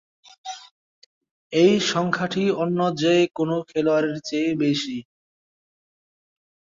এ সংখ্যাটি অন্য যে-কোন খেলোয়াড়ের চেয়ে বেশি।